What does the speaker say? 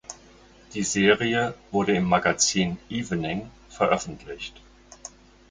Die Serie wurde im Magazin Evening veröffentlicht.